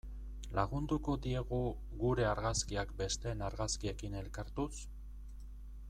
Lagunduko diegu gure argazkiak besteen argazkiekin elkartuz?